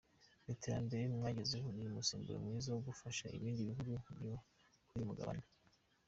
Iterambere mwagezeho ni umusemburo mwiza wo gufasha ibindi bihugu byo kuri uyu mugabane”.